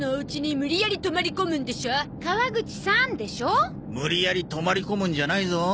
無理やり泊まり込むんじゃないぞ。